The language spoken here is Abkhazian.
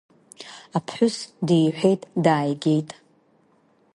Аԥҳәыс диҳәеит, дааигеит.